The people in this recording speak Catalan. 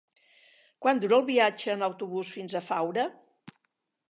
Quant dura el viatge en autobús fins a Faura?